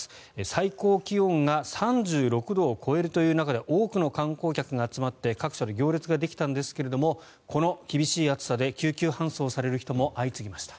最高気温が３６度を超えるという中で多くの観光客が集まって各所で行列ができたんですがこの厳しい暑さで救急搬送される人も相次ぎました。